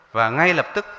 và ngay lập tức